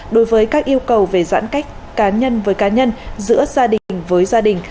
đối với các yêu cầu về giãn cách cá nhân với cá nhân giữa gia đình với gia đình